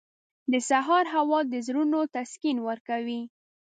• د سهار هوا د زړونو تسکین ورکوي.